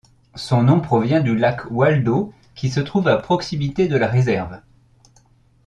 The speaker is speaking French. Son nom provient du lac Waldo qui se trouve à proximité de la réserve.